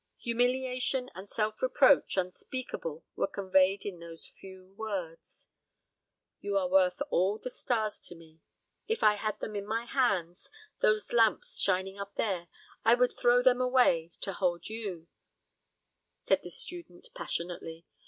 Humiliation and self reproach unspeakable were conveyed in those few words. "You are worth all the stars to me. If I had them in my hands, those lamps shining up there, I would throw them away, to hold you," said the student passionately.